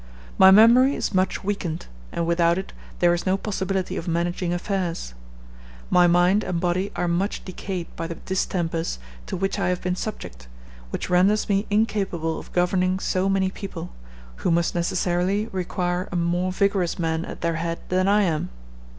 My memory is much weakened, and without it there is no possibility of managing affairs. My mind and body are much decayed by the distempers to which I have been subject, which renders me incapable of governing so many people, who must necessarily require a more vigorous man at their head than I am.